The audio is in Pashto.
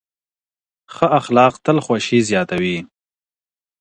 ښه اخلاق تل خوښي زياتوي